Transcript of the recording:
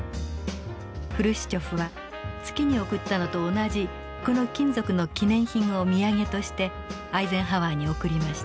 フルシチョフは月に送ったのと同じこの金属の記念品を土産としてアイゼンハワーに贈りました。